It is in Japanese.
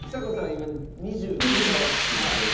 今２５ザワつくの状態